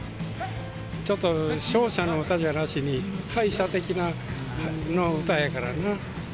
ちょっと勝者の歌じゃなしに、敗者的な歌やからな。